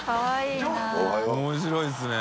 面白いですね。